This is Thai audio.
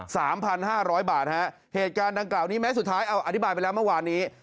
สามพันห้าร้อยบาทฮะเหตุการณ์ดังกล่าวนี้แม้สุดท้ายเอาอธิบายไปแล้วเมื่อวานนี้